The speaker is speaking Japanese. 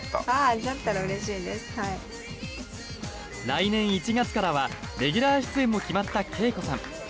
来年１月からはレギュラー出演も決まったＫＥＩＫＯさん。